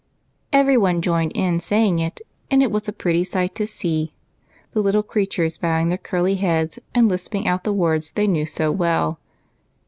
Every one joined in saying it, and it was a pretty sight to see the little creatures bowing their curly heads and lisping out the Avords they knew so well.